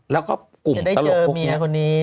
แล้วก็กลุ่มสลกพวกนี้